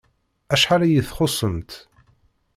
Acḥal iyi-txuṣṣemt!